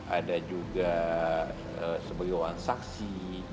ada juga sebagai orang saksi